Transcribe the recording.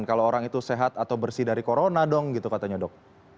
kalau orang itu sehat atau bersih dari corona dong gitu katanya dok